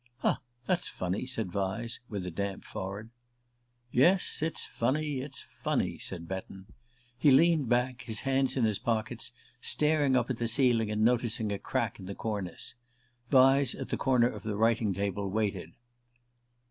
"Ha! That's funny," said Vyse, with a damp forehead. "Yes, it's funny; it's funny," said Betton. He leaned back, his hands in his pockets, staring up at the ceiling, and noticing a crack in the cornice. Vyse, at the corner of the writing table, waited.